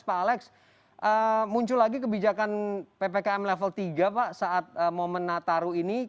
pak alex muncul lagi kebijakan ppkm level tiga pak saat momen nataru ini